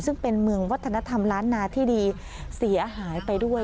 ซึ่งเป็นเมืองวัฒนธรรมล้านนาที่ดีเสียหายไปด้วย